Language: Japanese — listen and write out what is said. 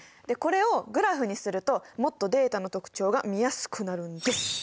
でこれをグラフにするともっとデータの特徴が見やすくなるんです。